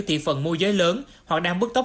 thị phần mua giới lớn hoặc đang bước tốc